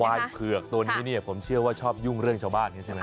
ควายเผือกตัวนี้ผมเชื่อว่าชอบยุ่งเรื่องชาวบ้านใช่ไหม